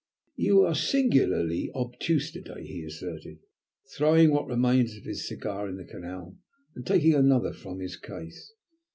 "You are singularly obtuse to day," he asserted, throwing what remained of his cigar into the Canal and taking another from his case.